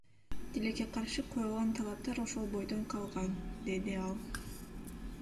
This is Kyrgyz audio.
Тилекке каршы, коюлган талаптар ошол бойдон калган, — деди ал.